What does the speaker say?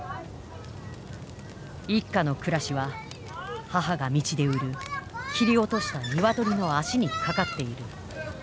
一家の暮らしは母が道で売る切り落とした鶏の足にかかっている。